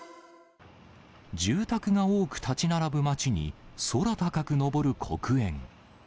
住宅が多く建ち並ぶ街に、空高く上る黒煙。